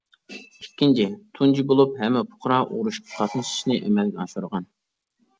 ئىككىنچى، تۇنجى بولۇپ ھەممە پۇقرا ئۇرۇشقا قاتنىشىشنى ئەمەلگە ئاشۇرغان.